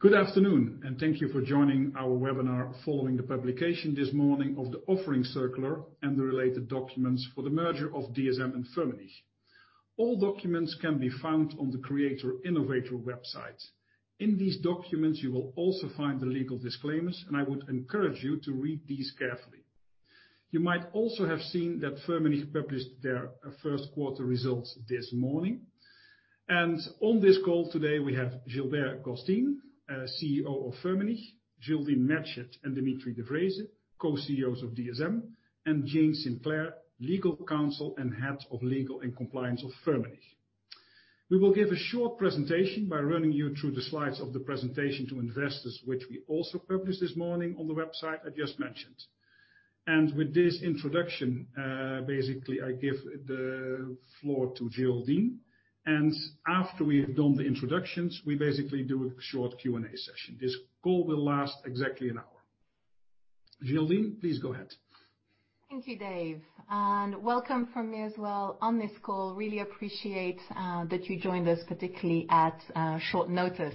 Good afternoon. Thank you for joining our webinar following the publication this morning of the offering circular and the related documents for the merger of DSM and Firmenich. All documents can be found on the Creator Innovator website. In these documents, you will also find the legal disclaimers, and I would encourage you to read these carefully. You might also have seen that Firmenich published their first quarter results this morning. On this call today we have Gilbert Ghostine, CEO of Firmenich, Geraldine Matchett and Dimitri de Vreeze, Co-CEOs of DSM, and Jane Sinclair, Legal Counsel and Head of Legal and Compliance of Firmenich. We will give a short presentation by running you through the slides of the presentation to investors, which we also published this morning on the website I just mentioned. With this introduction, basically, I give the floor to Geraldine, and after we've done the introductions, we basically do a short Q&A session. This call will last exactly an hour. Geraldine, please go ahead. Thank you, Dave, welcome from me as well on this call. Really appreciate that you joined us, particularly at short notice.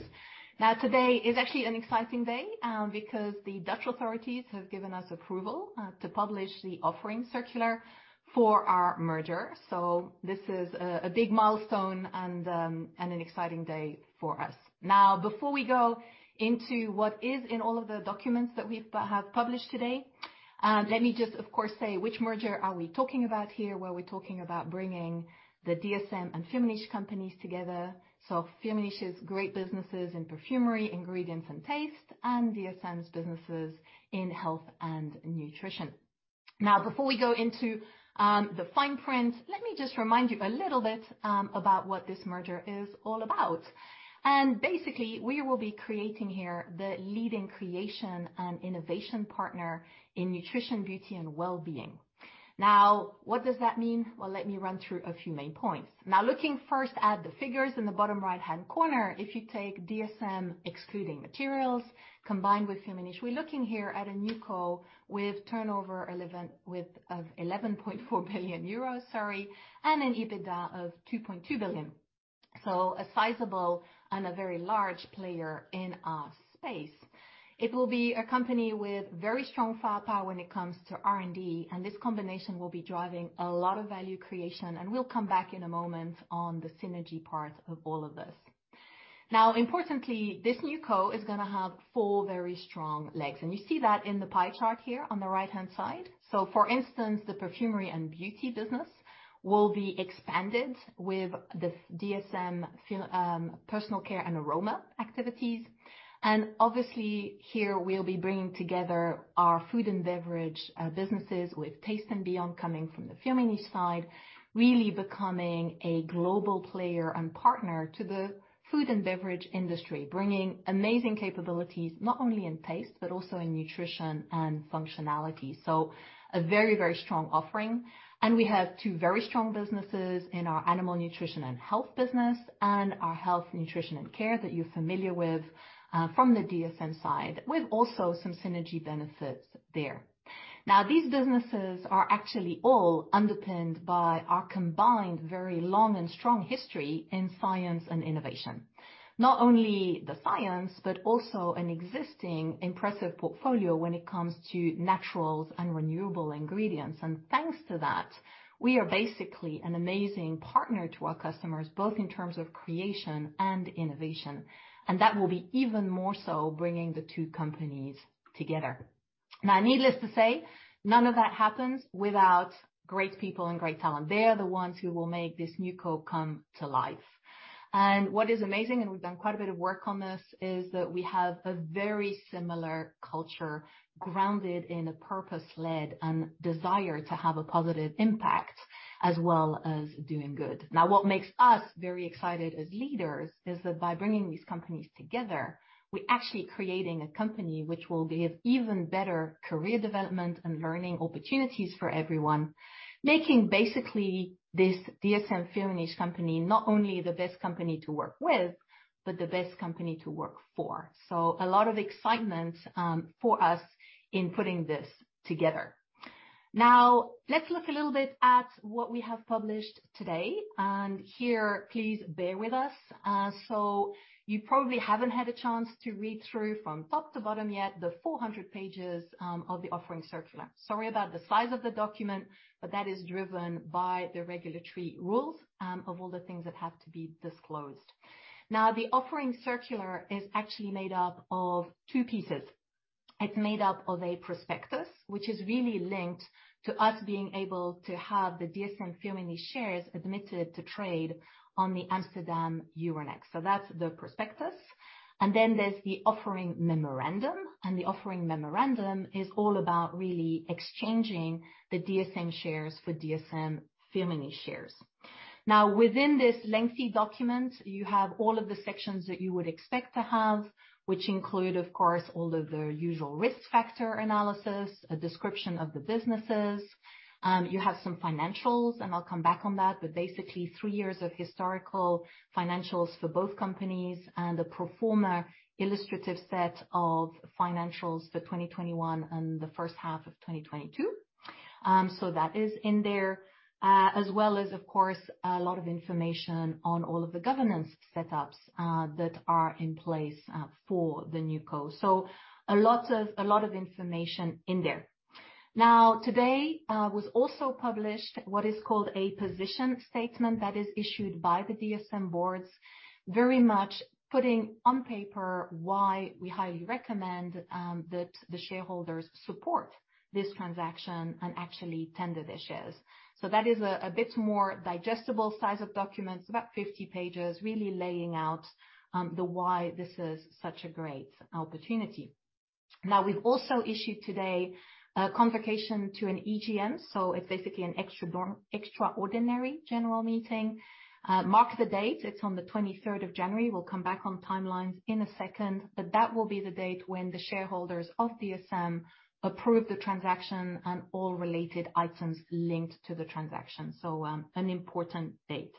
Today is actually an exciting day because the Dutch authorities have given us approval to publish the Offering Circular for our merger. This is a big milestone and an exciting day for us. Before we go into what is in all of the documents that we've published today, let me just of course say which merger are we talking about here, where we're talking about bringing the DSM and Firmenich companies together. Firmenich's great businesses in perfumery, ingredients, and taste, and DSM's businesses in health and nutrition. Before we go into the fine print, let me just remind you a little bit about what this merger is all about. Basically, we will be creating here the leading creation and innovation partner in nutrition, beauty and wellbeing. What does that mean? Well, let me run through a few main points. Looking first at the figures in the bottom right-hand corner, if you take DSM excluding materials combined with Firmenich, we're looking here at a NewCo with turnover with of 11.4 billion euros, sorry, and an EBITDA of 2.2 billion. A sizable and a very large player in our space. It will be a company with very strong firepower when it comes to R&D. This combination will be driving a lot of value creation. We'll come back in a moment on the synergy part of all of this. Importantly, this NewCo is gonna have four very strong legs, and you see that in the pie chart here on the right-hand side. For instance, the Perfumery & Beauty business will be expanded with the DSM personal care and aroma activities. Obviously here we'll be bringing together our food and beverage businesses with Taste & Beyond coming from the Firmenich side, really becoming a global player and partner to the food and beverage industry, bringing amazing capabilities not only in taste, but also in nutrition and functionality. A very, very strong offering. We have two very strong businesses in our Animal Nutrition & Health business and our Health, Nutrition & Care that you're familiar with from the DSM side, with also some synergy benefits there. These businesses are actually all underpinned by our combined very long and strong history in science and innovation. Not only the science, but also an existing impressive portfolio when it comes to naturals and renewable ingredients. Thanks to that, we are basically an amazing partner to our customers, both in terms of creation and innovation, and that will be even more so bringing the two companies together. Needless to say, none of that happens without great people and great talent. They are the ones who will make this NewCo come to life. What is amazing, and we've done quite a bit of work on this, is that we have a very similar culture grounded in a purpose-led and desire to have a positive impact, as well as doing good. What makes us very excited as leaders is that by bringing these companies together, we're actually creating a company which will give even better career development and learning opportunities for everyone, making basically this DSM-Firmenich company not only the best company to work with, but the best company to work for. A lot of excitement for us in putting this together. Let's look a little bit at what we have published today. Here, please bear with us. So you probably haven't had a chance to read through from top to bottom yet the 400 pages of the Offering Circular. Sorry about the size of the document, but that is driven by the regulatory rules of all the things that have to be disclosed. The Offering Circular is actually made up of two pieces. It's made up of a prospectus, which is really linked to us being able to have the DSM-Firmenich shares admitted to trade on Euronext Amsterdam. That's the prospectus. There's the offering memorandum. The offering memorandum is all about really exchanging the DSM shares for DSM-Firmenich shares. Now, within this lengthy document, you have all of the sections that you would expect to have, which include, of course, all of the usual risk factor analysis, a description of the businesses. You have some financials, and I'll come back on that. Basically three years of historical financials for both companies and a pro forma illustrative set of financials for 2021 and the first half of 2022. That is in there, as well as, of course, a lot of information on all of the governance setups, that are in place, for the NewCo. A lot of information in there. Today, was also published what is called a Position Statement that is issued by the DSM boards, very much putting on paper why we highly recommend, that the shareholders support this transaction and actually tender their shares. That is a bit more digestible size of documents, about 50 pages, really laying out, the why this is such a great opportunity. We've also issued today a convocation to an EGM, it's basically an extraordinary general meeting. Mark the date. It's on the 23rd of January. We'll come back on timelines in a second, that will be the date when the shareholders of DSM approve the transaction and all related items linked to the transaction. An important date.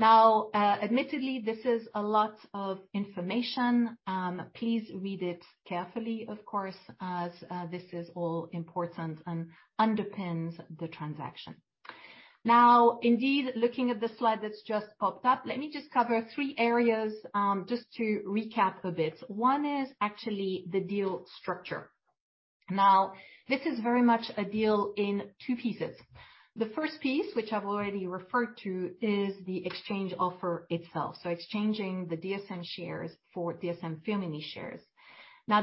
Admittedly, this is a lot of information. Please read it carefully, of course, as this is all important and underpins the transaction. Indeed, looking at the slide that's just popped up, let me just cover three areas, just to recap a bit. One is actually the deal structure. This is very much a deal in two pieces. The first piece, which I've already referred to, is the exchange offer itself, exchanging the DSM shares for DSM-Firmenich shares.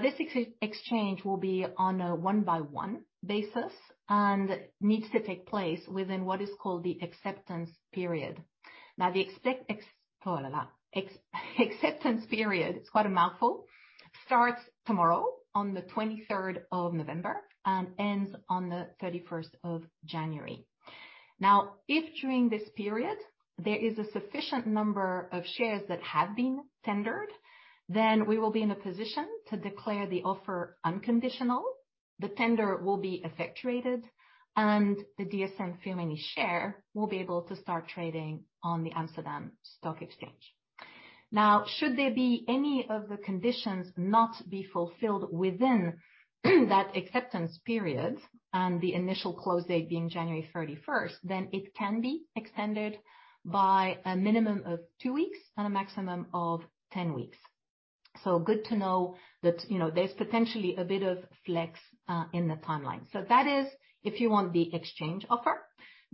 This ex-exchange will be on a one-by-one basis and needs to take place within what is called the acceptance period. The acceptance period, it's quite a mouthful, starts tomorrow on the 23rd of November and ends on the 31st of January. If during this period there is a sufficient number of shares that have been tendered, then we will be in a position to declare the offer unconditional. The tender will be effectuated, and the DSM-Firmenich share will be able to start trading on Euronext Amsterdam. Should there be any of the conditions not be fulfilled within that acceptance period, and the initial close date being January 31, then it can be extended by a minimum of two weeks and a maximum of 10 weeks. Good to know that, you know, there's potentially a bit of flex in the timeline. That is if you want the exchange offer.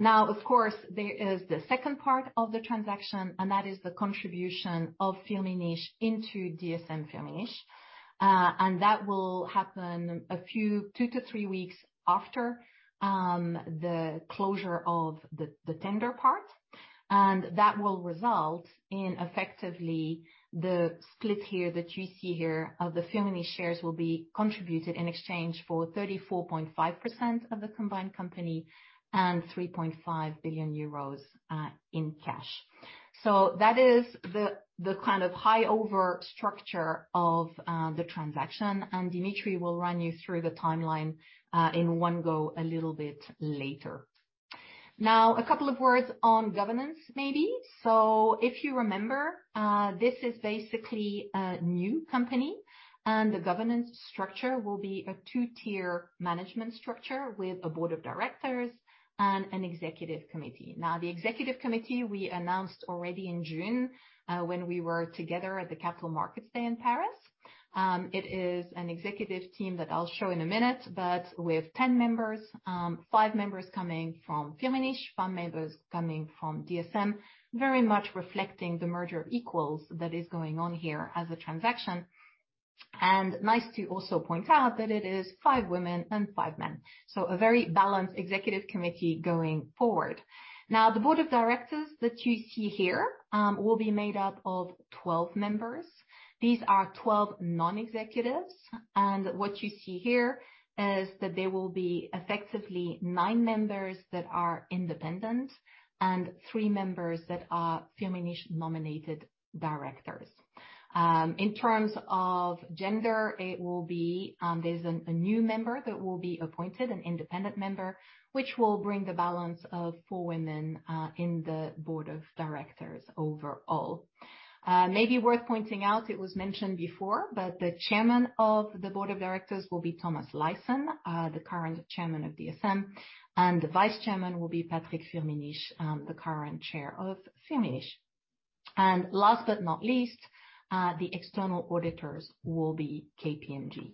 Of course, there is the second part of the transaction, and that is the contribution of Firmenich into DSM-Firmenich. That will happen a few, two-three weeks after the closure of the tender part. That will result in effectively the split here that you see here, of the Firmenich shares will be contributed in exchange for 34.5% of the combined company and 3.5 billion euros in cash. That is the kind of high over structure of the transaction. Dimitri will run you through the timeline in one go a little bit later. A couple of words on governance maybe. If you remember, this is basically a new company, the governance structure will be a two-tier management structure with a board of directors and an executive committee. The executive committee, we announced already in June, when we were together at the Capital Markets Day in Paris. It is an executive team that I'll show in a minute, but with 10 members, five members coming from Firmenich, five members coming from DSM, very much reflecting the merger equals that is going on here as a transaction. Nice to also point out that it is five women and five men, a very balanced executive committee going forward. The board of directors that you see here will be made up of 12 members. These are 12 non-executives, and what you see here is that there will be effectively nine members that are independent and three members that are Firmenich-nominated directors. In terms of gender, it will be, there's a new member that will be appointed, an independent member, which will bring the balance of four women in the board of directors overall. Maybe worth pointing out, it was mentioned before, but the Chairman of the board of directors will be Thomas Leysen, the current Chairman of DSM, and the Vice Chairman will be Patrick Firmenich, the current Chair of Firmenich. Last but not least, the external auditors will be KPMG.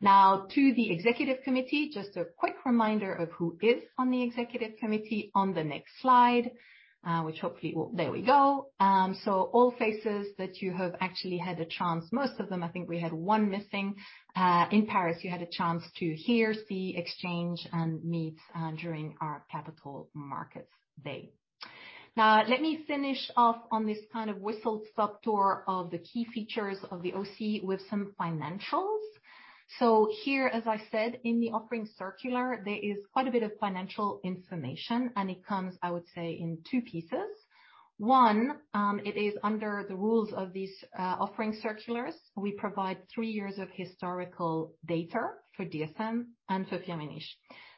Now, to the executive committee, just a quick reminder of who is on the executive committee on the next slide, which hopefully will. There we go. All faces that you have actually had a chance, most of them, I think we had one missing in Paris, you had a chance to hear, see, exchange, and meet during our Capital Markets Day. Let me finish off on this kind of whistle stop tour of the key features of the OC with some financials. Here, as I said, in the Offering Circular, there is quite a bit of financial information, and it comes, I would say, in two pieces. One, it is under the rules of these Offering Circulars. We provide three years of historical data for DSM and for Firmenich.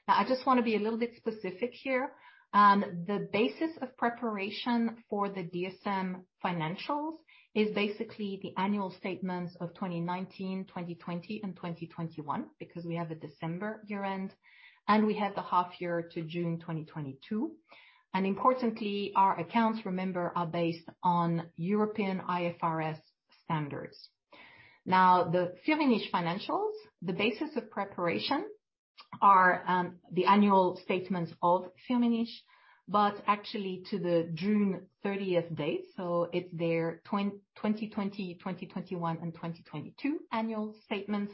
I just wanna be a little bit specific here. The basis of preparation for the DSM financials is basically the annual statements of 2019, 2020 and 2021, because we have a December year-end, and we have the half year to June 2022. Importantly, our accounts, remember, are based on European IFRS standards. The Firmenich financials, the basis of preparation are the annual statements of Firmenich, but actually to the June 30 date. It's their 2020, 2021, and 2022 annual statements.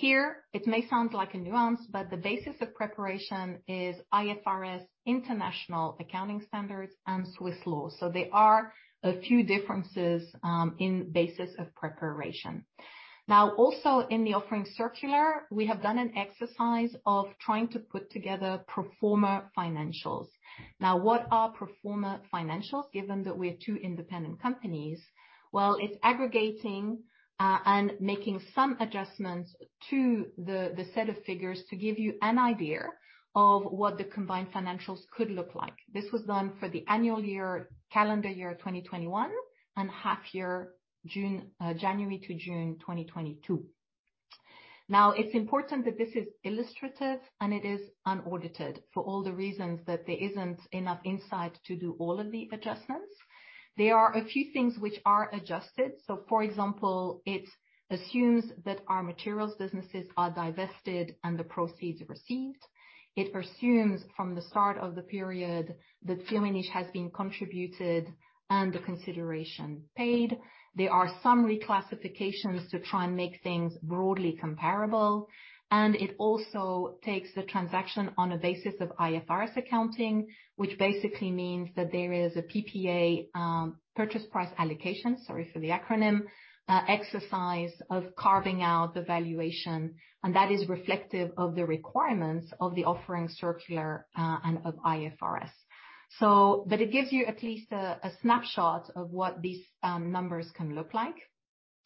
Here it may sound like a nuance, but the basis of preparation is IFRS International Accounting Standards and Swiss laws. There are a few differences in basis of preparation. Also in the offering circular, we have done an exercise of trying to put together pro forma financials. What are pro forma financials, given that we're two independent companies? It's aggregating and making some adjustments to the set of figures to give you an idea of what the combined financials could look like. This was done for the annual year, calendar year 2021, and half year June, January to June 2022. It's important that this is illustrative, and it is unaudited for all the reasons that there isn't enough insight to do all of the adjustments. There are a few things which are adjusted. For example, it assumes that our materials businesses are divested and the proceeds received. It assumes from the start of the period that Firmenich has been contributed and the consideration paid. There are some reclassifications to try and make things broadly comparable, and it also takes the transaction on a basis of IFRS accounting, which basically means that there is a PPA, purchase price allocation, sorry for the acronym, exercise of carving out the valuation, and that is reflective of the requirements of the Offering Circular and of IFRS. It gives you at least a snapshot of what these numbers can look like.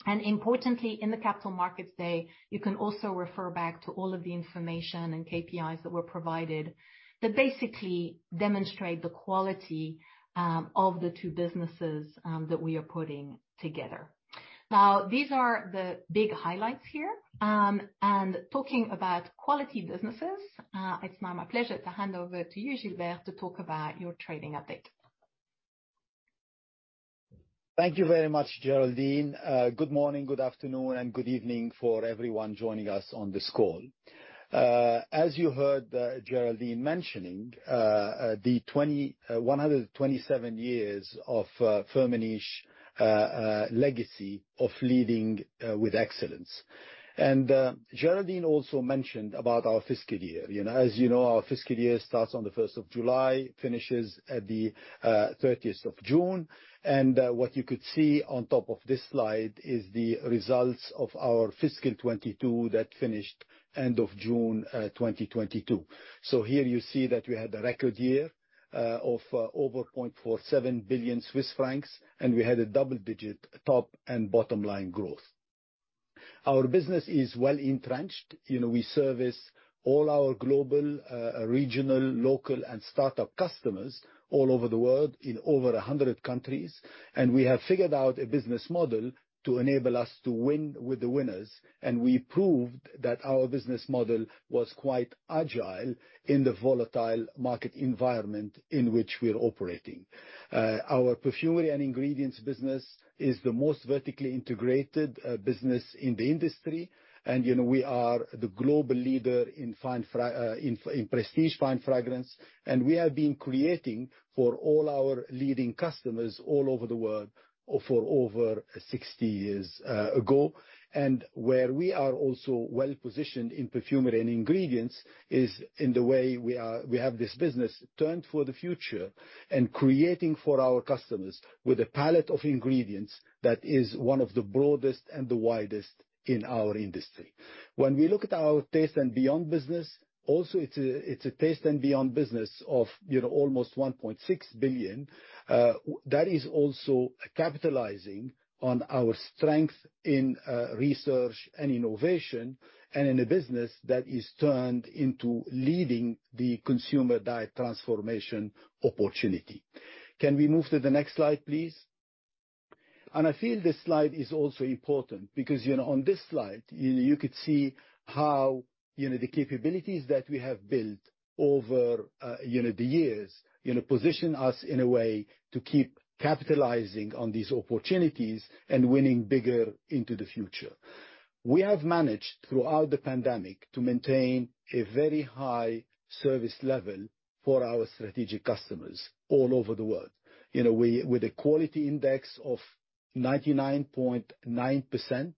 Importantly, in the Capital Markets Day, you can also refer back to all of the information and KPIs that were provided that basically demonstrate the quality of the two businesses that we are putting together. These are the big highlights here. Talking about quality businesses, it's now my pleasure to hand over to you, Gilbert, to talk about your trading update. Thank you very much, Geraldine. Good morning, good afternoon, and good evening for everyone joining us on this call. As you heard, Geraldine mentioning the 127 years of Firmenich legacy of leading with excellence. Geraldine also mentioned about our fiscal year. You know, as you know, our fiscal year starts on the 1st of July, finishes at the 30th of June, what you could see on top of this slide is the results of our fiscal 22 that finished end of June 2022. Here you see that we had a record year of over 0.47 billion Swiss francs, we had a double-digit top and bottom line growth. Our business is well entrenched. You know, we service all our global, regional, local, and start-up customers all over the world in over 100 countries, and we have figured out a business model to enable us to win with the winners. We proved that our business model was quite agile in the volatile market environment in which we're operating. Our Perfumery & Ingredients business is the most vertically integrated business in the industry. You know, we are the global leader in prestige fine fragrance. We have been creating for all our leading customers all over the world for over 60 years ago. Where we are also well positioned in Perfumery & Ingredients is in the way we are... We have this business turned for the future and creating for our customers with a palette of ingredients that is one of the broadest and the widest in our industry. When we look at our Taste & Beyond business, also it's a Taste & Beyond business of, you know, almost 1.6 billion. That is also capitalizing on our strength in research and innovation, and in a business that is turned into leading the consumer diet transformation opportunity. Can we move to the next slide, please? I feel this slide is also important because, you know, on this slide you could see how, you know, the capabilities that we have built over, you know, the years, you know, position us in a way to keep capitalizing on these opportunities and winning bigger into the future. We have managed throughout the pandemic to maintain a very high service level for our strategic customers all over the world. You know, we, with a quality index of 99.9%,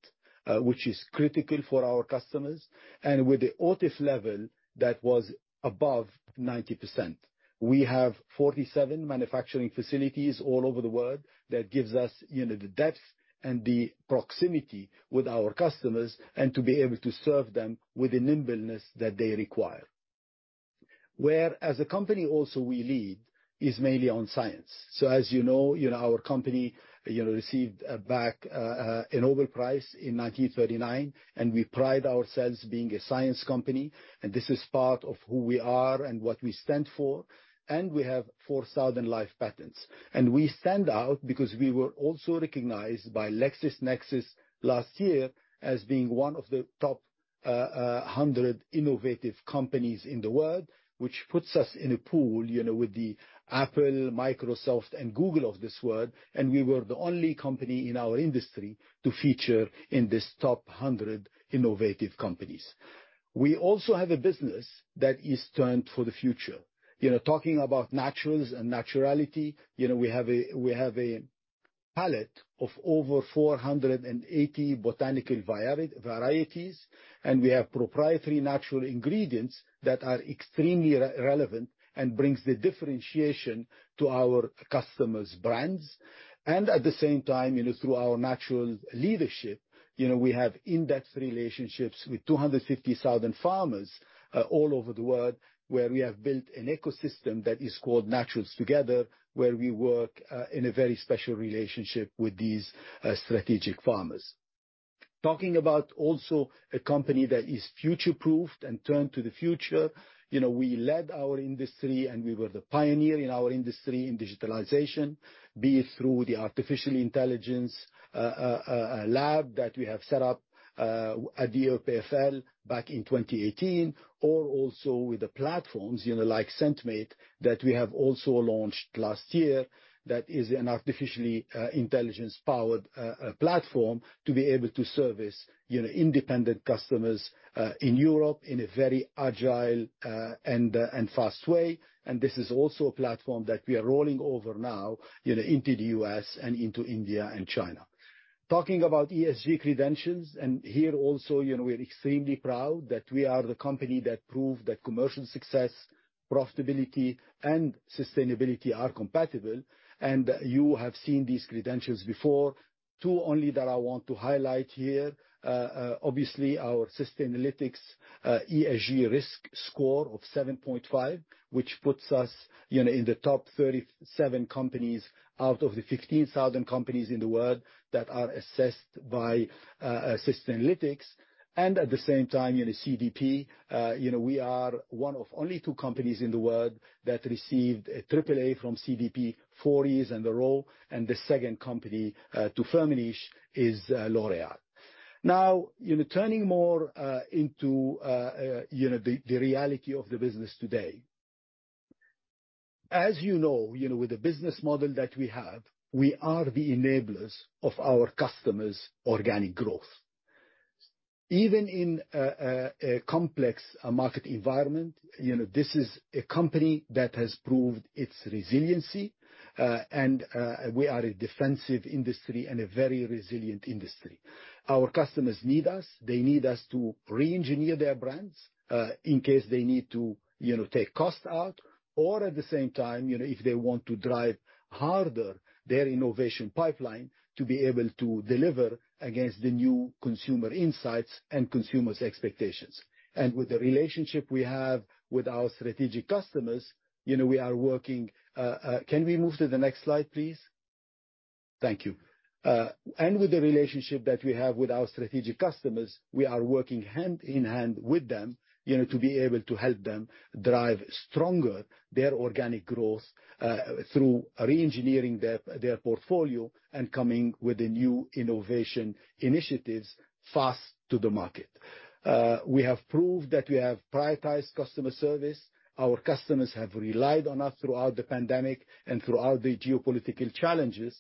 which is critical for our customers, and with the OTIF level that was above 90%. We have 47 manufacturing facilities all over the world that gives us, you know, the depth and the proximity with our customers and to be able to serve them with the nimbleness that they require. Where as a company also we lead is mainly on science. As you know, you know, our company, you know, received a back, a Nobel Prize in 1939, and we pride ourselves being a science company, and this is part of who we are and what we stand for, and we have 4,000 live patents. We stand out because we were also recognized by LexisNexis last year as being one of the top 100 innovative companies in the world, which puts us in a pool, you know, with the Apple, Microsoft, and Google of this world, and we were the only company in our industry to feature in this top 100 innovative companies. We also have a business that is turned for the future. You know, talking about naturals and naturality, you know, we have a, we have a palette of over 480 botanical varieties, and we have proprietary natural ingredients that are extremely relevant and brings the differentiation to our customers' brands. At the same time, you know, through our natural leadership, you know, we have index relationships with 250,000 farmers all over the world, where we have built an ecosystem that is called Naturals Together, where we work in a very special relationship with these strategic farmers. Talking about also a company that is future-proofed and turned to the future, you know, we led our industry, and we were the pioneer in our industry in digitalization. Be it through the artificial intelligence lab that we have set up at the EPFL back in 2018, or also with the platforms, you know, like Scentmate that we have also launched last year, that is an artificially intelligence-powered platform to be able to service, you know, independent customers in Europe in a very agile and fast way. This is also a platform that we are rolling over now, you know, into the US and into India and China. Talking about ESG credentials, and here also, you know, we're extremely proud that we are the company that proved that commercial success, profitability, and sustainability are compatible. You have seen these credentials before. two only that I want to highlight here. Obviously, our Sustainalytics ESG risk score of 7.5, which puts us, you know, in the top 37 companies out of the 15,000 companies in the world that are assessed by Sustainalytics. At the same time, you know, CDP, you know, we are one of only two companies in the world that received a triple A from CDP four years in a row, and the second company to furnish is L'Oréal. Now, you know, turning more into, you know, the reality of the business today. As you know, with the business model that we have, we are the enablers of our customers' organic growth. Even in a complex market environment, you know, this is a company that has proved its resiliency, and we are a defensive industry and a very resilient industry. Our customers need us. They need us to reengineer their brands, in case they need to, you know, take costs out, or at the same time, you know, if they want to drive harder their innovation pipeline to be able to deliver against the new consumer insights and consumers' expectations. With the relationship we have with our strategic customers, you know, we are working. Can we move to the next slide, please? Thank you. With the relationship that we have with our strategic customers, we are working hand in hand with them, you know, to be able to help them drive stronger their organic growth, through reengineering their portfolio and coming with the new innovation initiatives fast to the market. We have proved that we have prioritized customer service. Our customers have relied on us throughout the pandemic and throughout the geopolitical challenges.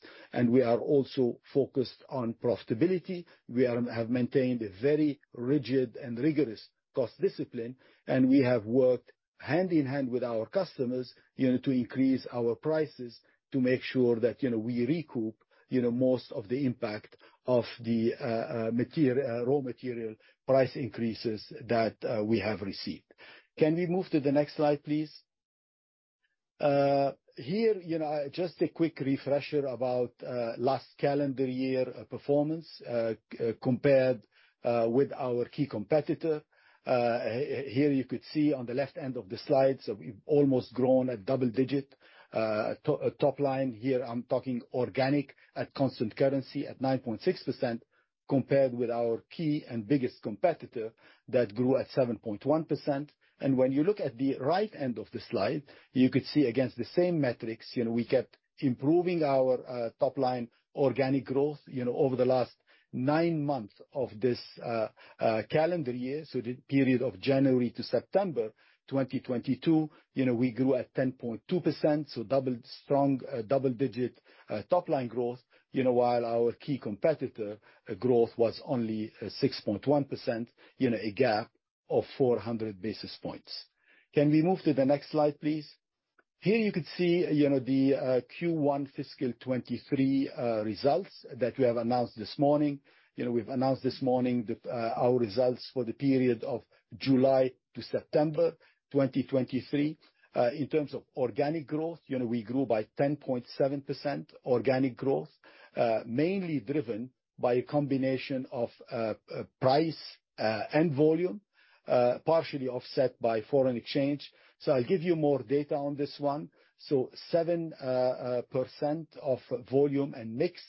We are also focused on profitability. We have maintained a very rigid and rigorous cost discipline, and we have worked hand in hand with our customers, you know, to increase our prices to make sure that, you know, we recoup, you know, most of the impact of the raw material price increases that we have received. Can we move to the next slide, please? Here, you know, just a quick refresher about last calendar year performance compared with our key competitor. Here you could see on the left end of the slide, so we've almost grown a double digit top line here. I'm talking organic at constant currency at 9.6% compared with our key and biggest competitor that grew at 7.1%. When you look at the right end of the slide, you could see against the same metrics, you know, we kept improving our top line organic growth, you know, over the last 9 months of this calendar year, so the period of January to September 2022. You know, we grew at 10.2%, double strong, double digit top line growth, you know, while our key competitor growth was only 6.1%, you know, a gap of 400 basis points. Can we move to the next slide, please? Here you could see, you know, the Q1 fiscal 23 results that we have announced this morning. You know, we've announced this morning that our results for the period of July to September 2023. In terms of organic growth, you know, we grew by 10.7% organic growth, mainly driven by a combination of price and volume, partially offset by foreign exchange. I'll give you more data on this one. 7% of volume and mix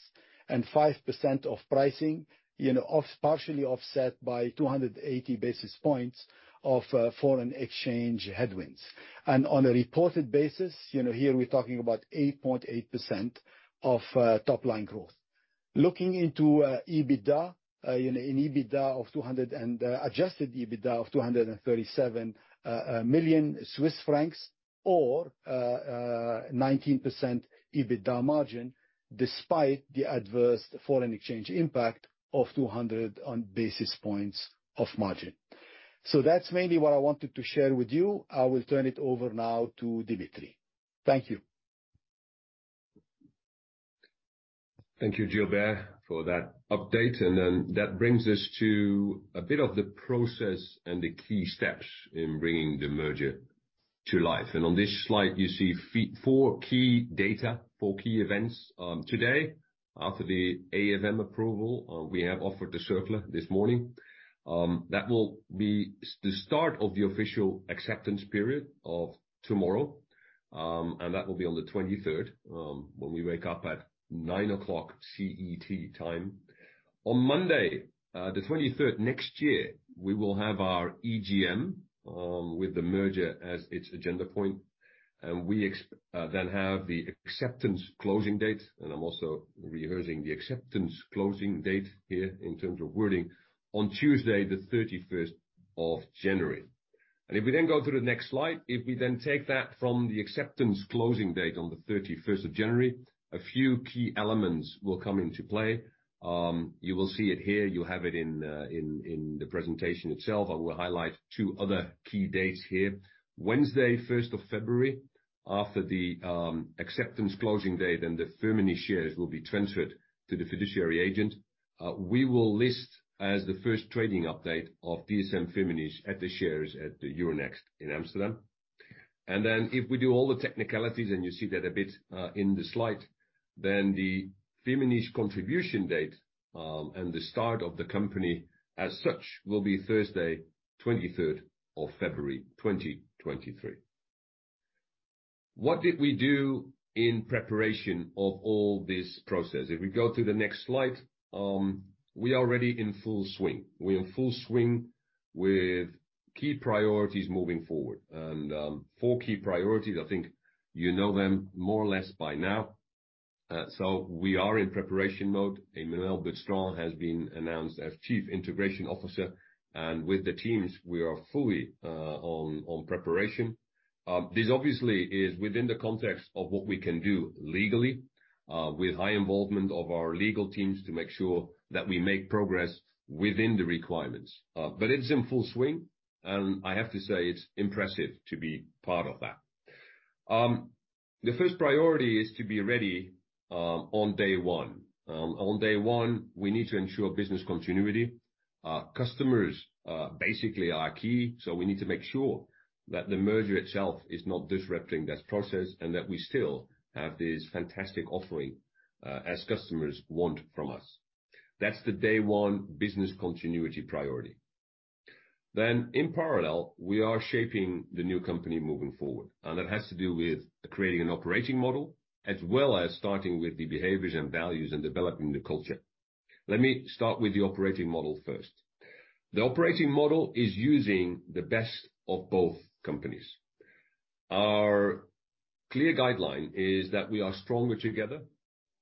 and 5% of pricing, you know, partially offset by 280 basis points of foreign exchange headwinds. On a reported basis, you know, here we're talking about 8.8% of top line growth. Looking into EBITDA, an adjusted EBITDA of 237 million Swiss francs, or 19% EBITDA margin despite the adverse foreign exchange impact of 200 basis points of margin. That's mainly what I wanted to share with you. I will turn it over now to Dimitri. Thank you. Thank you, Gilbert, for that update. That brings us to a bit of the process and the key steps in bringing the merger to life. On this slide, you see four key data, four key events. Today, after the AFM approval, we have offered to Circular this morning. That will be the start of the official acceptance period of tomorrow, and that will be on the 23rd, when we wake up at 9:00 A.M. CET time. On Monday, the 23rd next year, we will have our EGM with the merger as its agenda point. We have the acceptance closing date, and I'm also rehearsing the acceptance closing date here in terms of wording, on Tuesday the 31st of January. If we then go to the next slide, if we then take that from the acceptance closing date on the 31 of January, a few key elements will come into play. You will see it here. You have it in the presentation itself. I will highlight two other key dates here. Wednesday, 1st of February, after the acceptance closing date and the Firmenich shares will be transferred to the fiduciary agent, we will list as the 1st trading update of DSM-Firmenich at the shares at Euronext Amsterdam. Then if we do all the technicalities, and you see that a bit in the slide, then the Firmenich contribution date, and the start of the company as such, will be Thursday, 23rd of February, 2023. What did we do in preparation of all this process? If we go to the next slide, we are already in full swing. We're in full swing with key priorities moving forward. Four key priorities, I think you know them more or less by now. We are in preparation mode. Emmanuel Butstraen has been announced as Chief Integration Officer, and with the teams we are fully on preparation. This obviously is within the context of what we can do legally, with high involvement of our legal teams to make sure that we make progress within the requirements. It's in full swing, and I have to say, it's impressive to be part of that. The first priority is to be ready on day one. On day one, we need to ensure business continuity. Our customers, basically are key, so we need to make sure that the merger itself is not disrupting that process and that we still have this fantastic offering, as customers want from us. That's the day one business continuity priority. In parallel, we are shaping the new company moving forward, and it has to do with creating an operating model as well as starting with the behaviors and values and developing the culture. Let me start with the operating model first. The operating model is using the best of both companies. Our clear guideline is that we are stronger together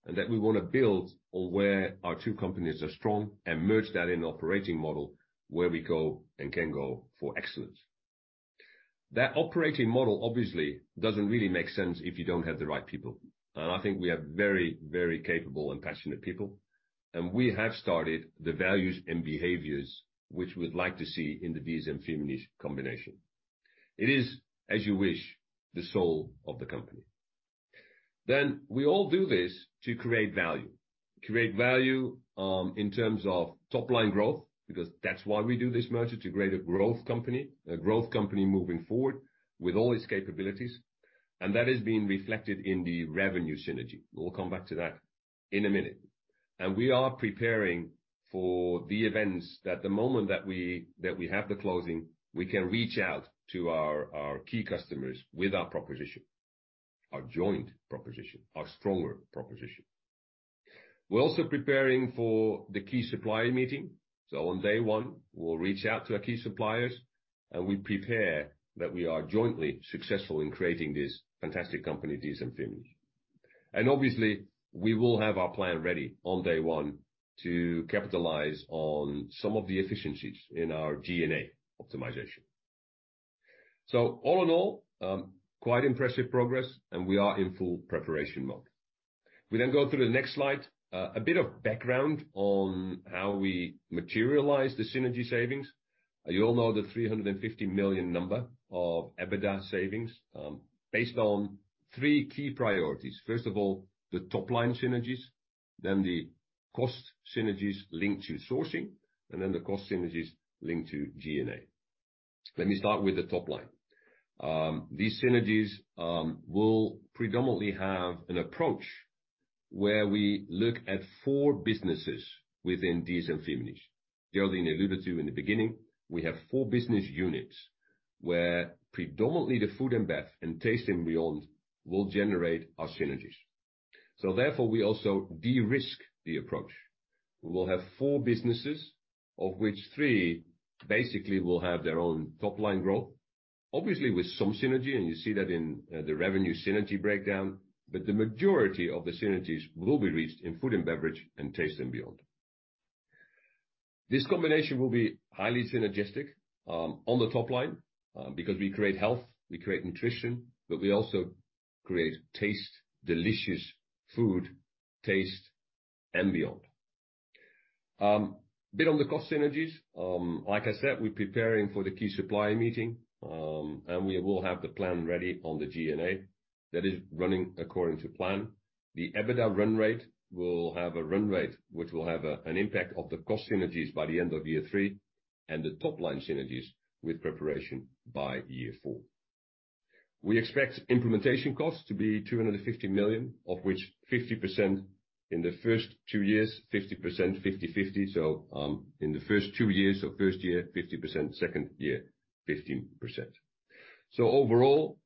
and that we want to build on where our two companies are strong and merge that in an operating model where we go and can go for excellence. That operating model obviously doesn't really make sense if you don't have the right people, and I think we have very, very capable and passionate people, and we have started the values and behaviors which we'd like to see in the DSM-Firmenich combination. It is, as you wish, the soul of the company. We all do this to create value. Create value, in terms of top line growth, because that's why we do this merger, to create a growth company, a growth company moving forward with all its capabilities. That is being reflected in the revenue synergy. We'll come back to that in a minute. We are preparing for the events that the moment that we have the closing, we can reach out to our key customers with our proposition, our joint proposition, our stronger proposition. We're also preparing for the key supplier meeting. On day one, we'll reach out to our key suppliers, and we prepare that we are jointly successful in creating this fantastic company, DSM-Firmenich. Obviously, we will have our plan ready on day one to capitalize on some of the efficiencies in our G&A optimization. All in all, quite impressive progress, and we are in full preparation mode. We then go to the next slide. A bit of background on how we materialize the synergy savings. You all know the 350 million number of EBITDA savings, based on three key priorities. First of all, the top line synergies, then the cost synergies linked to sourcing, and then the cost synergies linked to G&A. Let me start with the top line. These synergies will predominantly have an approach where we look at four businesses within DSM-Firmenich. Geraldine alluded to in the beginning, we have four business units, where predominantly the food and beverage and Taste & Beyond will generate our synergies. Therefore, we also de-risk the approach. We will have four businesses, of which three basically will have their own top line growth, obviously with some synergy, and you see that in the revenue synergy breakdown. The majority of the synergies will be reached in food and beverage and Taste & Beyond. This combination will be highly synergistic on the top line because we create health, we create nutrition, but we also create taste, delicious food, Taste & Beyond. A bit on the cost synergies. Like I said, we're preparing for the key supply meeting, we will have the plan ready on the G&A. That is running according to plan. The EBITDA run rate will have a run rate, which will have an impact of the cost synergies by the end of year three, the top line synergies with preparation by year four. We expect implementation costs to be 250 million, of which 50% in the first two years, 50%, 50/50. In the first two years, first year, 50%, second year, 15%. Overall,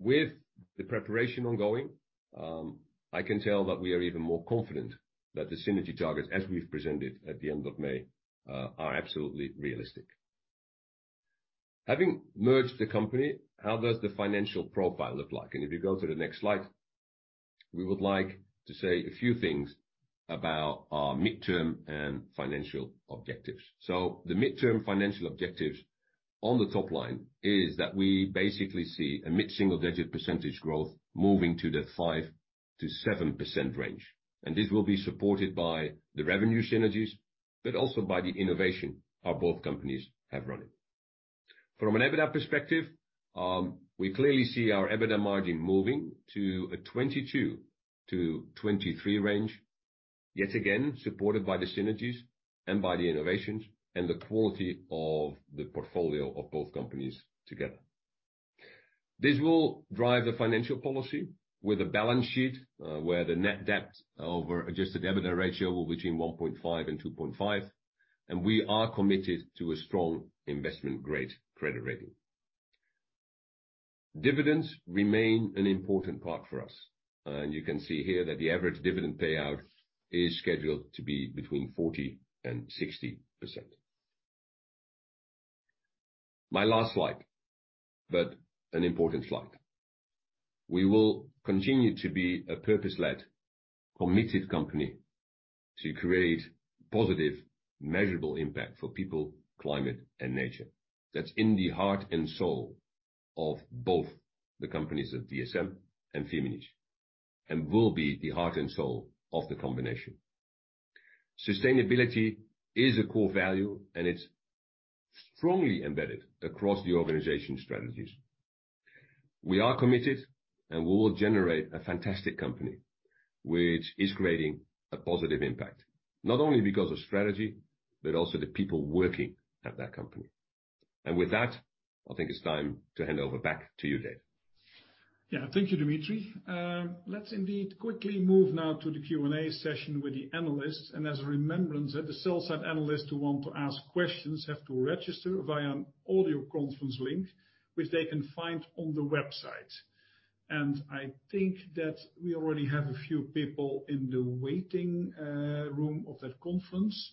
with the preparation ongoing, I can tell that we are even more confident that the synergy targets as we've presented at the end of May, are absolutely realistic. Having merged the company, how does the financial profile look like? If you go to the next slide, we would like to say a few things about our midterm financial objectives. The midterm financial objectives on the top line is that we basically see a mid-single-digit percentage growth moving to the 5%-7% range. This will be supported by the revenue synergies, but also by the innovation our both companies have running. From an EBITDA perspective, we clearly see our EBITDA margin moving to a 22%-23% range, yet again, supported by the synergies and by the innovations and the quality of the portfolio of both companies together. This will drive the financial policy with a balance sheet, where the net debt over Adjusted EBITDA ratio will be between 1.5 and 2.5, and we are committed to a strong investment grade credit rating. Dividends remain an important part for us, and you can see here that the average dividend payout is scheduled to be between 40% and 60%. My last slide, but an important slide. We will continue to be a purpose-led, committed company to create positive, measurable impact for people, climate, and nature. That's in the heart and soul of both the companies of DSM and Firmenich, and will be the heart and soul of the combination. Sustainability is a core value, and it's strongly embedded across the organization strategies. We are committed, and we will generate a fantastic company which is creating a positive impact. Not only because of strategy, but also the people working at that company. With that, I think it's time to hand over back to you, Dave. Yeah. Thank you, Dimitri. Let's indeed quickly move now to the Q&A session with the analysts. As a remembrance that the sales and analysts who want to ask questions have to register via an audio conference link, which they can find on the website. I think that we already have a few people in the waiting room of that conference.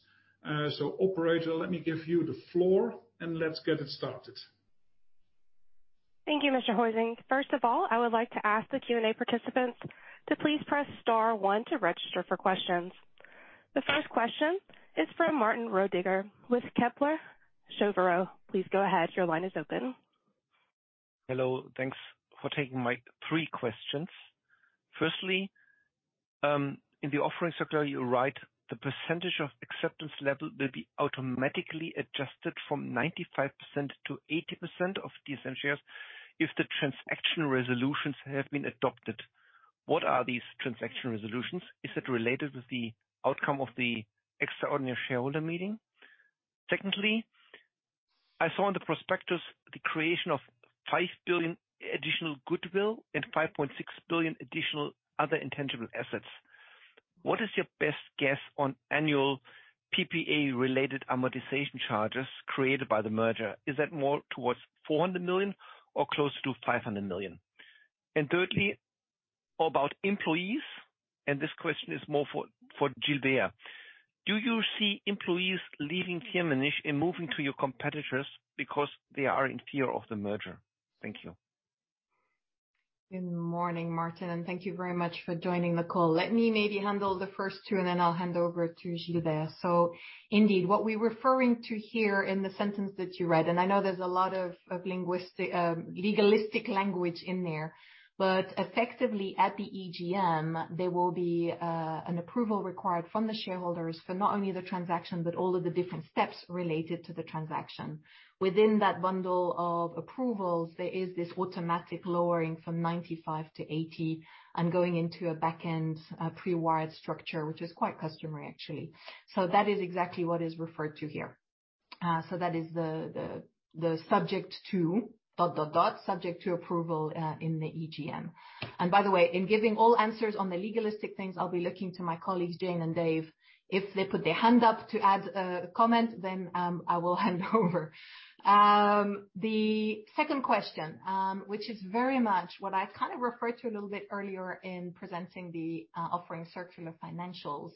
Operator, let me give you the floor, and let's get it started. Thank you, Dave Huizing. First of all, I would like to ask the Q&A participants to please press star one to register for questions. The first question is from Martin Roediger with Kepler Cheuvreux. Please go ahead. Your line is open. Hello. Thanks for taking my three questions. Firstly, in the Offering Circular, you write the percentage of acceptance level will be automatically adjusted from 95% to 80% of DSM shares if the transaction resolutions have been adopted. What are these transaction resolutions? Is it related with the outcome of the extraordinary shareholder meeting? Secondly, I saw in the prospectus the creation of 5 billion additional goodwill and 5.6 billion additional other intangible assets. What is your best guess on annual PPA-related amortization charges created by the merger? Is that more towards 400 million or closer to 500 million? Thirdly, about employees, this question is more for Geraldin. Do you see employees leaving Firmenich and moving to your competitors because they are in fear of the merger? Thank you. Good morning, Martin, thank you very much for joining the call. Let me maybe handle the first two, then I'll hand over to Gilbert Ghostine. Indeed, what we're referring to here in the sentence that you read, I know there's a lot of linguistic legalistic language in there. Effectively, at the EGM, there will be an approval required from the shareholders for not only the transaction, but all of the different steps related to the transaction. Within that bundle of approvals, there is this automatic lowering from 95 to 80 and going into a back-end pre-wired structure, which is quite customary actually. That is exactly what is referred to here. That is the, the subject to... subject to approval in the EGM. By the way, in giving all answers on the legalistic things, I'll be looking to my colleagues, Jane and Dave. If they put their hand up to add a comment, then I will hand over. The second question, which is very much what I kind of referred to a little bit earlier in presenting the offering circular financials.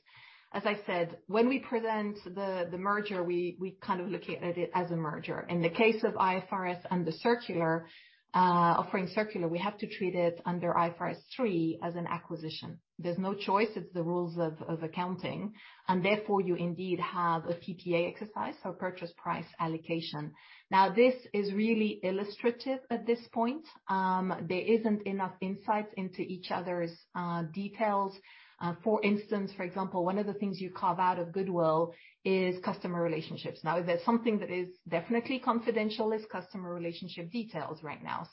As I said, when we present the merger, we kind of look at it as a merger. In the case of IFRS and the circular, offering circular, we have to treat it under IFRS 3 as an acquisition. There's no choice. It's the rules of accounting, and therefore you indeed have a PPA exercise or purchase price allocation. This is really illustrative at this point. There isn't enough insight into each other's details. For example, one of the things you carve out of goodwill is customer relationships. If there's something that is definitely confidential, it's customer relationship details right now.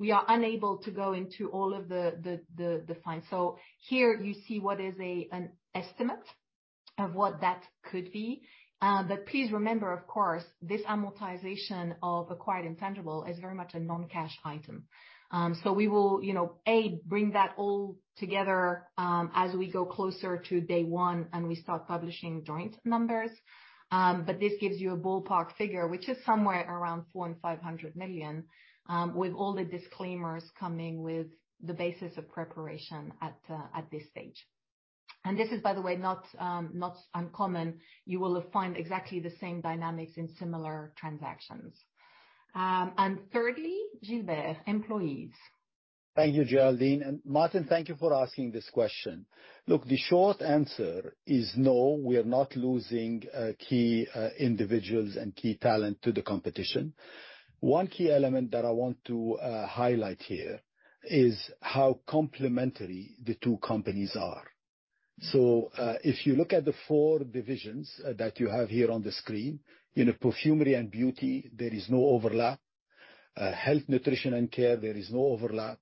We are unable to go into all of the fines. Here you see what is an estimate of what that could be. Please remember, of course, this amortization of acquired intangible is very much a non-cash item. We will, you know, bring that all together as we go closer to day one and we start publishing joint numbers. This gives you a ballpark figure, which is somewhere around 400-500 million, with all the disclaimers coming with the basis of preparation at this stage. This is, by the way, not not uncommon. You will find exactly the same dynamics in similar transactions. Thirdly, Gilbert, employees. Thank you, Geraldine. Martin, thank you for asking this question. Look, the short answer is no, we are not losing key individuals and key talent to the competition. One key element that I want to highlight here is how complementary the two companies are. If you look at the four divisions that you have here on the screen, in the Perfumery & Beauty, there is no overlap. Health, Nutrition & Care, there is no overlap.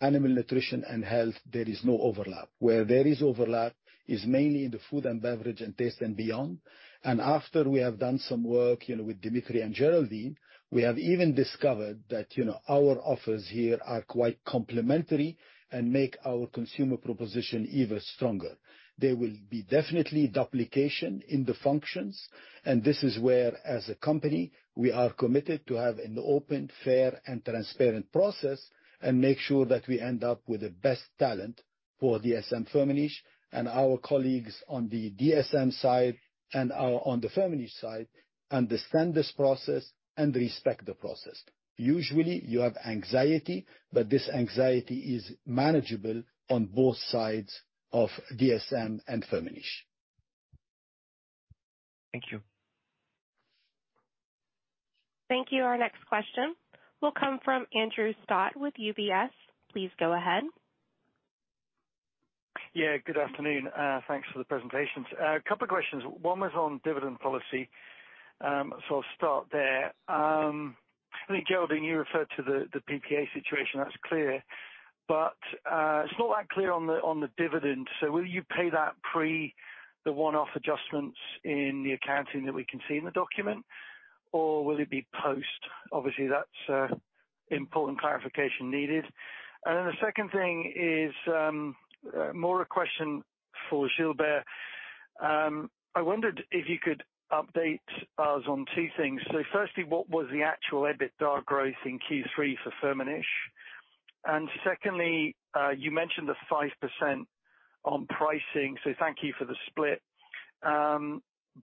Animal Nutrition & Health, there is no overlap. Where there is overlap is mainly in the food and beverage and Taste & Beyond. After we have done some work, you know, with Dimitri and Geraldine, we have even discovered that, you know, our offers here are quite complementary and make our consumer proposition even stronger. There will be definitely duplication in the functions, and this is where, as a company, we are committed to have an open, fair and transparent process and make sure that we end up with the best talent for DSM-Firmenich. Our colleagues on the DSM side on the Firmenich side understand this process and respect the process. Usually you have anxiety, but this anxiety is manageable on both sides of DSM and Firmenich. Thank you. Thank you. Our next question will come from Andrew Stott with UBS. Please go ahead. Yeah, good afternoon. Thanks for the presentations. A couple of questions. One was on dividend policy, I'll start there. I think, Geraldine, you referred to the PPA situation, that's clear. It's not that clear on the dividend. Will you pay that pre the one-off adjustments in the accounting that we can see in the document, or will it be post? Obviously, that's important clarification needed. The second thing is more a question for Gilbert. I wondered if you could update us on two things. Firstly, what was the actual EBITDA growth in Q3 for Firmenich? Secondly, you mentioned the 5% on pricing, thank you for the split.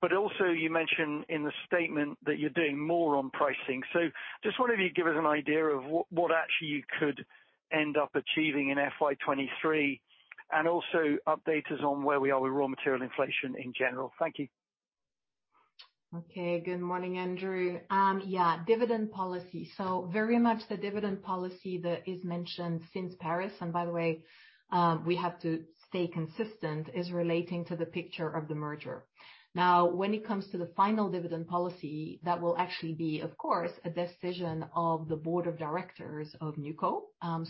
Also you mentioned in the statement that you're doing more on pricing. Just wonder if you'd give us an idea of what actually you could end up achieving in FY 2023. Also update us on where we are with raw material inflation in general. Thank you. Okay. Good morning, Andrew. Yeah, dividend policy. Very much the dividend policy that is mentioned since Paris, and by the way, we have to stay consistent, is relating to the picture of the merger. When it comes to the final dividend policy, that will actually be, of course, a decision of the board of directors of NewCo,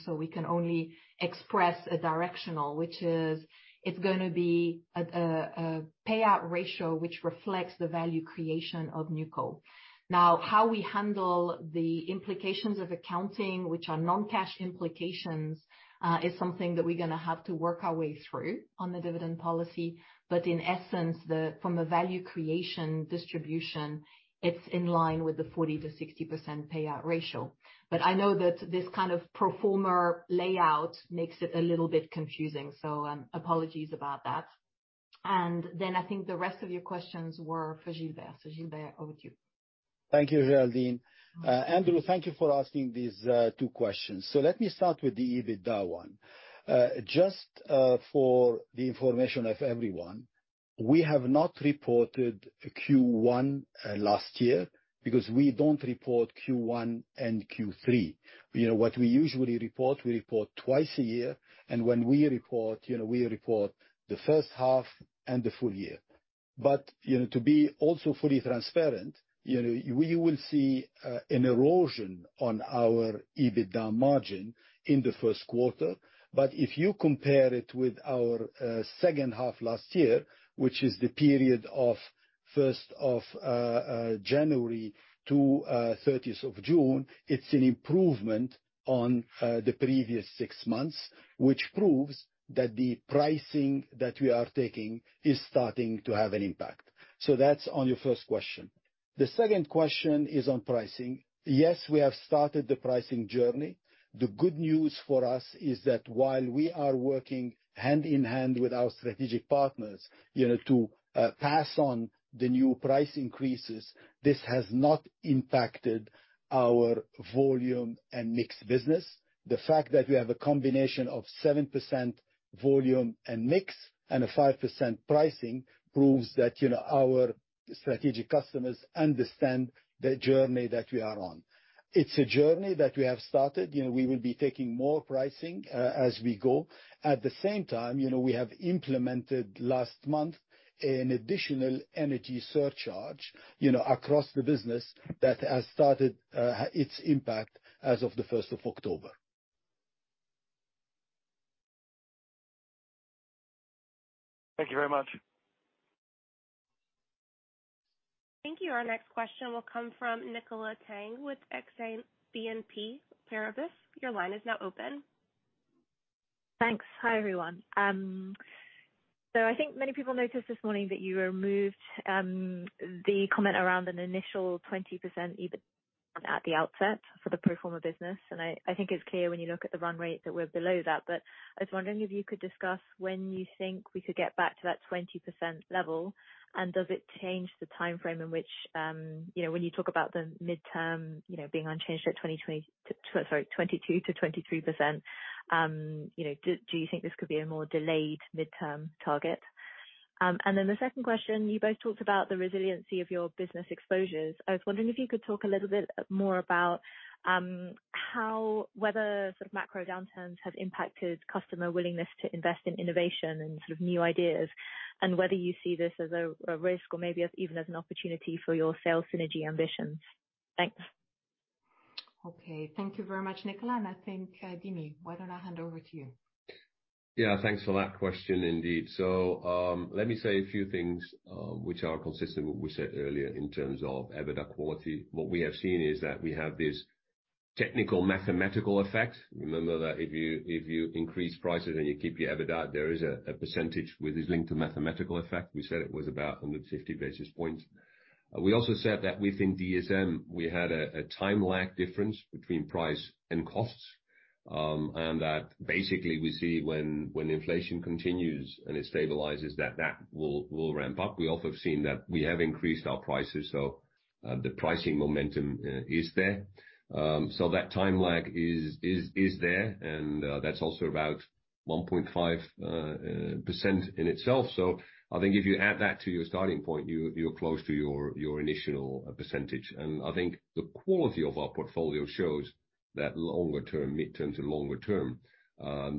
so we can only express a directional, which is it's gonna be a payout ratio which reflects the value creation of NewCo. How we handle the implications of accounting, which are non-cash implications, is something that we're gonna have to work our way through on the dividend policy. In essence, from a value creation distribution, it's in line with the 40%-60% payout ratio. I know that this kind of pro forma layout makes it a little bit confusing, so apologies about that. I think the rest of your questions were for Gilbert. Gilbert, over to you. Thank you, Geraldine. Andrew, thank you for asking these two questions. Let me start with the EBITDA one. Just for the information of everyone, we have not reported Q1 last year because we don't report Q1 and Q3. You know, what we usually report, we report twice a year, and when we report, you know, we report the first half and the full year. You know, to be also fully transparent, you know, we will see an erosion on our EBITDA margin in the first quarter. If you compare it with our second half last year, which is the period of 1st of January to 30th of June, it's an improvement on the previous six months, which proves that the pricing that we are taking is starting to have an impact. That's on your first question. The second question is on pricing. Yes, we have started the pricing journey. The good news for us is that while we are working hand-in-hand with our strategic partners, you know, to pass on the new price increases, this has not impacted our volume and mixed business. The fact that we have a combination of 7% volume and mix and a 5% pricing proves that, you know, our strategic customers understand the journey that we are on. It's a journey that we have started. You know, we will be taking more pricing as we go. At the same time, you know, we have implemented last month an additional energy surcharge, you know, across the business that has started its impact as of the 1st of October. Thank you very much. Thank you. Our next question will come from Nicola Tang with Exane BNP Paribas. Your line is now open. Thanks. Hi, everyone. I think many people noticed this morning that you removed the comment around an initial 20% EBIT at the outset for the pro forma business, and I think it's clear when you look at the run rate that we're below that. I was wondering if you could discuss when you think we could get back to that 20% level, and does it change the timeframe in which, you know, when you talk about the midterm, you know, being unchanged at 22%-23%, you know, do you think this could be a more delayed midterm target? The second question, you both talked about the resiliency of your business exposures. I was wondering if you could talk a little bit more about how whether sort of macro downturns have impacted customer willingness to invest in innovation and sort of new ideas, and whether you see this as a risk or maybe as even as an opportunity for your sales synergy ambitions. Thanks. Okay. Thank you very much, Nicola. I think, Dimi, why don't I hand over to you? Thanks for that question indeed. Let me say a few things which are consistent with what we said earlier in terms of EBITDA quality. What we have seen is that we have this technical mathematical effect. Remember that if you increase prices and you keep your EBITDA, there is a percentage which is linked to mathematical effect. We said it was about 150 basis points. We also said that within DSM, we had a time lag difference between price and costs, and that basically we see when inflation continues and it stabilizes that that will ramp up. We also have seen that we have increased our prices, so the pricing momentum is there. That time lag is there, and that's also about 1.5% in itself. I think if you add that to your starting point, you're close to your initial %. I think the quality of our portfolio shows that longer term, mid-term to longer term,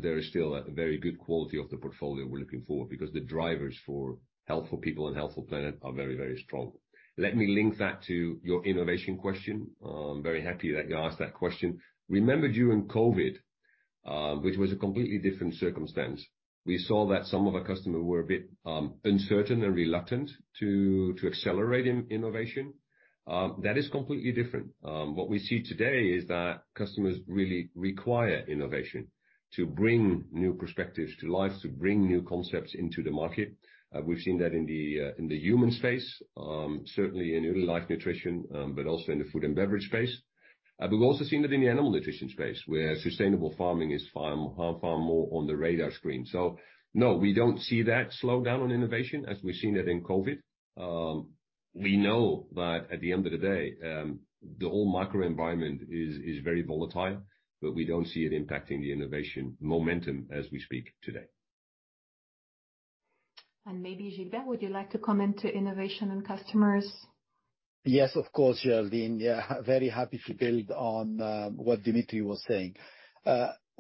there is still a very good quality of the portfolio we're looking for, because the drivers for health for people and health for planet are very, very strong. Let me link that to your innovation question. Very happy that you asked that question. Remember during COVID, which was a completely different circumstance, we saw that some of our customer were a bit uncertain and reluctant to accelerate innovation. That is completely different. What we see today is that customers really require innovation to bring new perspectives to life, to bring new concepts into the market. We've seen that in the human space, certainly in early life nutrition, but also in the food and beverage space. We've also seen it in the animal nutrition space, where sustainable farming is far, far, far more on the radar screen. No, we don't see that slow down on innovation as we've seen it in COVID. We know that at the end of the day, the whole microenvironment is very volatile, but we don't see it impacting the innovation momentum as we speak today. Maybe, Gilbert, would you like to comment to innovation and customers? Yes, of course, Geraldine. Yeah, very happy to build on what Dimitri was saying.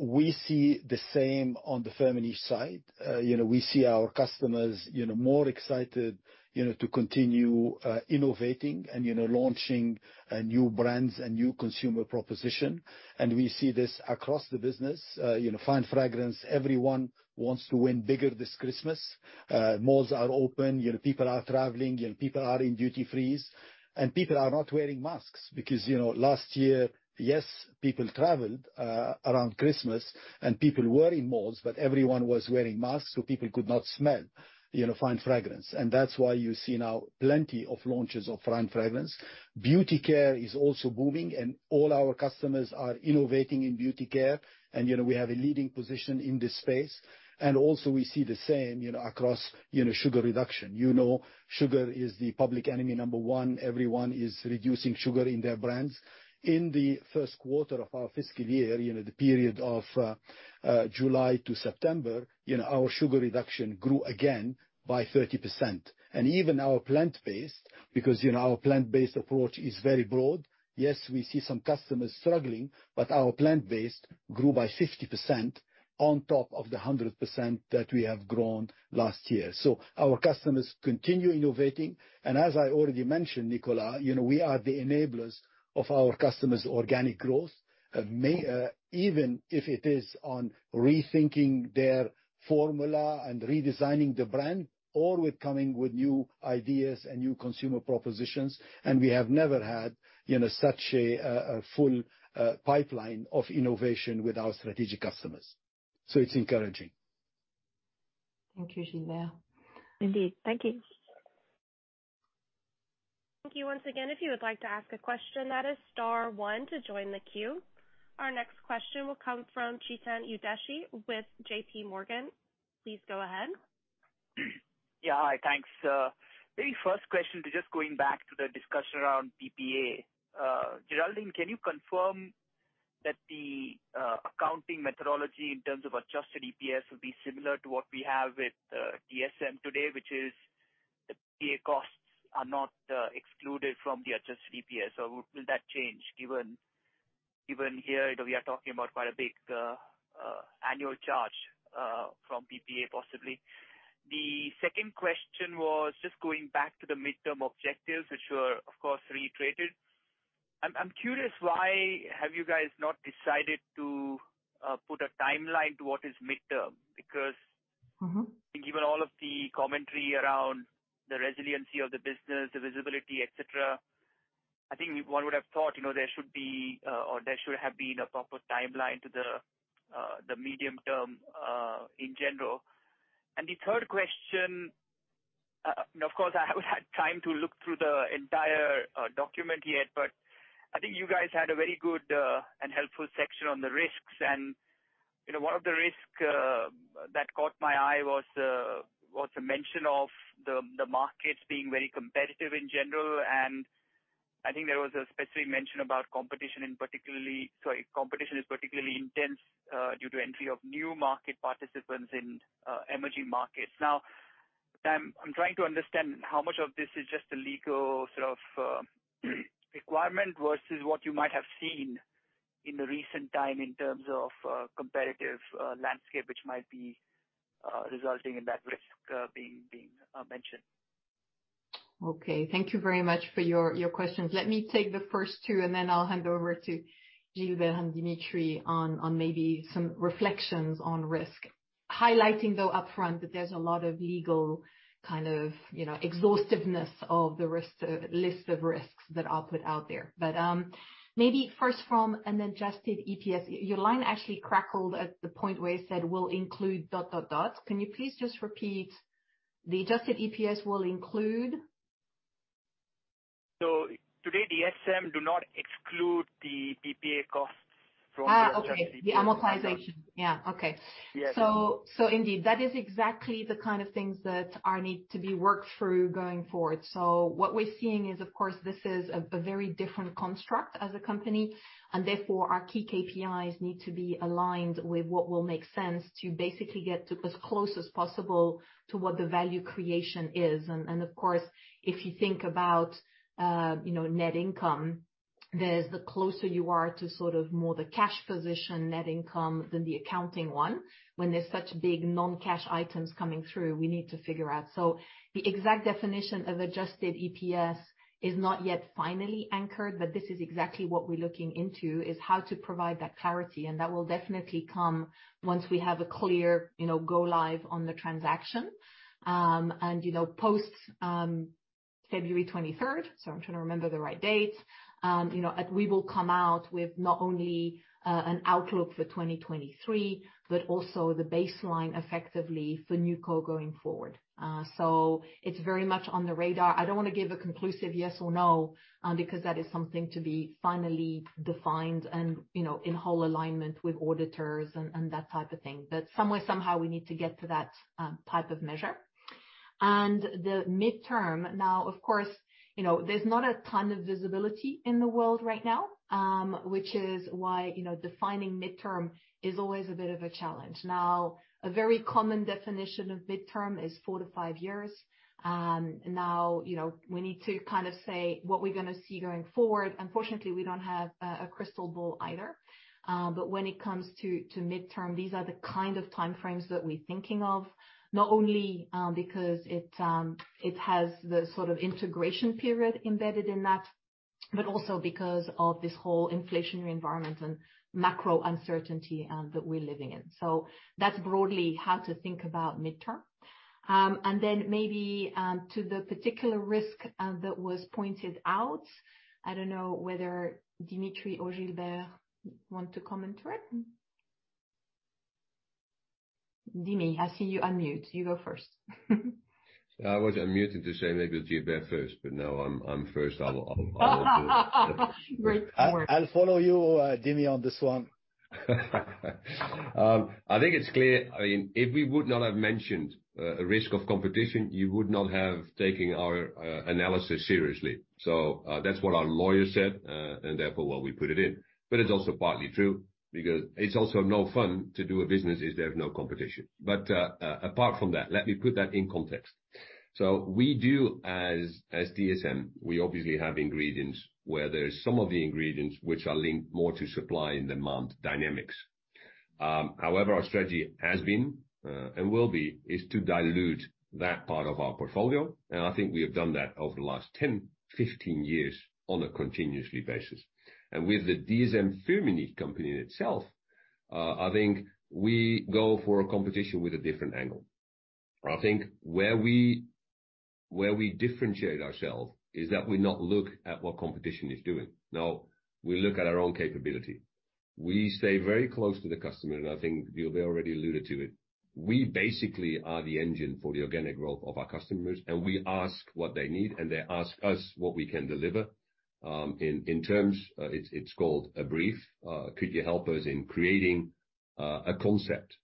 We see the same on the family side. You know, we see our customers, you know, more excited, you know, to continue innovating and, you know, launching new brands and new consumer proposition. We see this across the business. You know, fine fragrance, everyone wants to win bigger this Christmas. Malls are open, you know, people are traveling, you know, people are in duty frees, and people are not wearing masks. Because, you know, last year, yes, people traveled around Christmas and people were in malls, but everyone was wearing masks, so people could not smell, you know, fine fragrance. That's why you see now plenty of launches of fine fragrance. Beauty care is also booming and all our customers are innovating in beauty care. You know, we have a leading position in this space. Also we see the same, you know, across, you know, sugar reduction. You know, sugar is the public enemy number 1, everyone is reducing sugar in their brands. In the first quarter of our fiscal year, you know, the period of July to September, you know, our sugar reduction grew again by 30%. Even our plant-based, because, you know, our plant-based approach is very broad, yes, we see some customers struggling, but our plant-based grew by 50% on top of the 100% that we have grown last year. Our customers continue innovating. As I already mentioned, Nicola, you know, we are the enablers of our customers' organic growth. May, even if it is on rethinking their formula and redesigning the brand or with coming with new ideas and new consumer propositions. We have never had, you know, such a full pipeline of innovation with our strategic customers. It's encouraging. Thank you, Gilbert. Indeed. Thank you. Thank you once again. If you would like to ask a question, that is star one to join the queue. Our next question will come from Chetan Udeshi with J.P. Morgan. Please go ahead. Yeah. Hi, thanks. maybe first question to just going back to the discussion around PPA. Geraldine, can you confirm that the accounting methodology in terms of Adjusted EPS will be similar to what we have with DSM today, which is the PPA costs are not excluded from the Adjusted EPS, or will that change given here we are talking about quite a big annual charge from PPA, possibly? The second question was just going back to the midterm objectives, which were, of course, reiterated. I'm curious why have you guys not decided to put a timeline to what is midterm? Mm-hmm. given all of the commentary around the resiliency of the business, the visibility, et cetera, I think one would have thought, you know, there should be or there should have been a proper timeline to the medium term in general. The third question, of course, I haven't had time to look through the entire document yet, but I think you guys had a very good and helpful section on the risks. You know, one of the risks that caught my eye was a mention of the markets being very competitive in general. I think there was a specific mention about competition is particularly intense due to entry of new market participants in emerging markets. I'm trying to understand how much of this is just a legal sort of requirement versus what you might have seen in the recent time in terms of competitive landscape, which might be resulting in that risk being mentioned. Thank you very much for your questions. Let me take the first two, and then I'll hand over to Gilbert and Dimitri on maybe some reflections on risk. Highlighting, though, upfront that there's a lot of legal kind of, you know, exhaustiveness of the risk list of risks that are put out there. Maybe first from an adjusted EPS. Your line actually crackled at the point where you said, "We'll include dot, dot." Can you please just repeat the adjusted EPS will include? Today, DSM do not exclude the PPA costs from the Adjusted EPS. Okay. The amortization. Yeah. Okay. Yeah. Indeed, that is exactly the kind of things that are need to be worked through going forward. What we're seeing is, of course, this is a very different construct as a company, and therefore, our key KPIs need to be aligned with what will make sense to basically get to as close as possible to what the value creation is. Of course, if you think about, you know, net income, there's the closer you are to sort of more the cash position net income than the accounting one. When there's such big non-cash items coming through, we need to figure out. The exact definition of Adjusted EPS is not yet finally anchored, but this is exactly what we're looking into, is how to provide that clarity. That will definitely come once we have a clear, you know, go live on the transaction. You know, post, February 23, so I'm trying to remember the right dates, you know, we will come out with not only an outlook for 2023, but also the baseline effectively for NewCo going forward. It's very much on the radar. I don't wanna give a conclusive yes or no, because that is something to be finally defined and, you know, in whole alignment with auditors and that type of thing. Somewhere, somehow, we need to get to that type of measure. The midterm, now, of course, you know, there's not a ton of visibility in the world right now, which is why, you know, defining midterm is always a bit of a challenge. Now, a very common definition of midterm is four-five years. Now, you know, we need to kind of say what we're gonna see going forward. Unfortunately, we don't have a crystal ball either. When it comes to midterm, these are the kind of time frames that we're thinking of, not only because it has the sort of integration period embedded in that, but also because of this whole inflationary environment and macro uncertainty that we're living in. That's broadly how to think about midterm. Then maybe to the particular risk that was pointed out, I don't know whether Dmitry or Gilbert want to comment to it. Dimi, I see you unmute. You go first. I was unmuted to say maybe Gilbert first, but now I'm first. I'll do it. Great. I'll follow you, Dimi, on this one. I think it's clear. I mean, if we would not have mentioned a risk of competition, you would not have taken our analysis seriously. That's what our lawyer said, and therefore, well, we put it in. It's also partly true because it's also no fun to do a business if there's no competition. Apart from that, let me put that in context. We do as DSM, we obviously have ingredients where there's some of the ingredients which are linked more to supply and demand dynamics. However, our strategy has been and will be, is to dilute that part of our portfolio, and I think we have done that over the last 10, 15 years on a continuously basis. With the DSM-Firmenich company in itself, I think we go for a competition with a different angle. I think where we differentiate ourselves is that we not look at what competition is doing. We look at our own capability. We stay very close to the customer, and I think Gilbert already alluded to it. We basically are the engine for the organic growth of our customers, and we ask what they need, and they ask us what we can deliver. In terms, it's called a brief. Could you help us in creating a concept?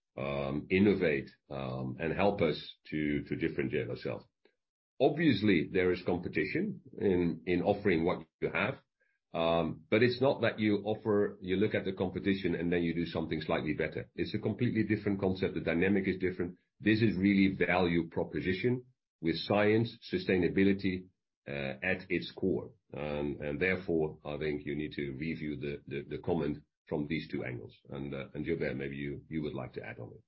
Innovate, and help us to differentiate ourselves. Obviously, there is competition in offering what you have, but it's not that you look at the competition and then you do something slightly better. It's a completely different concept. The dynamic is different. This is really value proposition with science, sustainability at its core. Therefore, I think you need to review the comment from these two angles. Gilbert, maybe you would like to add on it.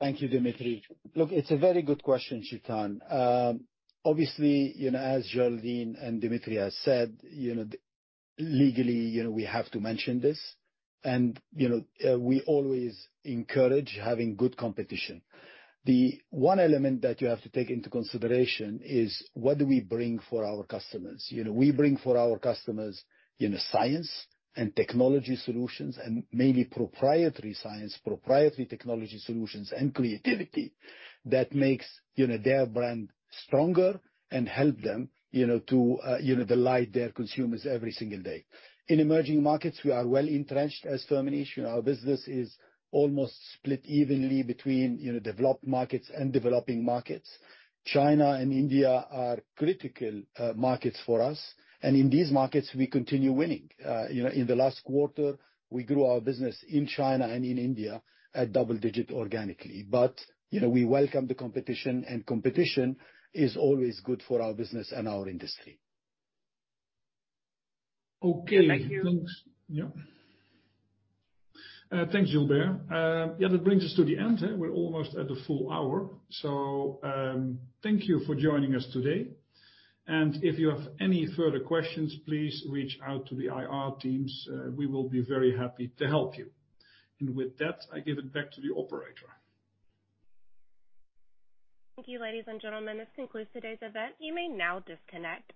Thank you, Dimitri. Look, it's a very good question, Chetan. Obviously, you know, as Geraldine and Dimitri has said, you know, legally, you know, we have to mention this. We always encourage having good competition. The one element that you have to take into consideration is what do we bring for our customers. You know, we bring for our customers, you know, science and technology solutions and mainly proprietary science, proprietary technology solutions and creativity that makes, you know, their brand stronger and help them, you know, to, you know, delight their consumers every single day. In emerging markets, we are well-entrenched as Firmenich. You know, our business is almost split evenly between, you know, developed markets and developing markets. China and India are critical markets for us, in these markets, we continue winning. You know, in the last quarter, we grew our business in China and in India at double digit organically. You know, we welcome the competition, and competition is always good for our business and our industry. Okay. Thank you. Yeah. Thanks, Gilbert. Yeah, that brings us to the end. We're almost at the full hour. Thank you for joining us today. If you have any further questions, please reach out to the IR teams. We will be very happy to help you. With that, I give it back to the operator. Thank you, ladies and gentlemen. This concludes today's event. You may now disconnect.